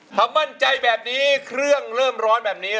ถ้ามั่นใจแบบนี้เครื่องเริ่มร้อนแบบนี้